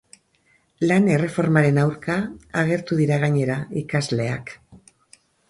Lan erreformaren aurka agertu dira gainera ikasleak.